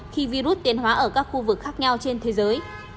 khi virus tiến hóa ở các khu vực khác nhau trên thế giới